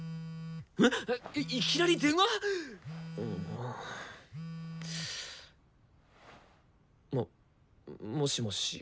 いきなり電話！？ももしもし。